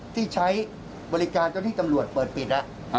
ที่ใช้บริการต้องให้ตำรวจเปิดปิด